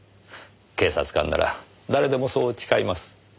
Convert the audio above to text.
警察官なら誰でもそう誓います。